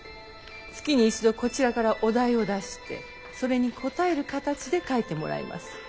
月に一度こちらからお題を出してそれに答える形で書いてもらいます。